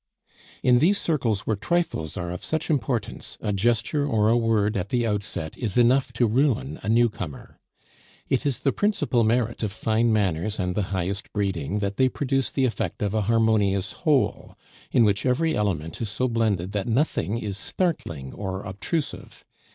In these circles where trifles are of such importance, a gesture or a word at the outset is enough to ruin a newcomer. It is the principal merit of fine manners and the highest breeding that they produce the effect of a harmonious whole, in which every element is so blended that nothing is startling or obtrusive.